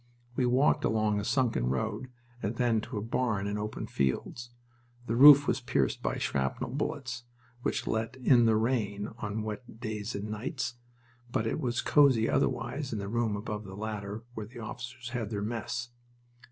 We walked along a sunken road and then to a barn in open fields. The roof was pierced by shrapnel bullets, which let in the rain on wet days and nights, but it was cozy otherwise in the room above the ladder where the officers had their mess.